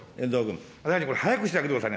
大臣、早くしてあげてくださいね。